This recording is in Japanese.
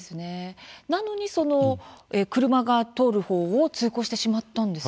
なのに車が通るほうを通行してしまったんですね。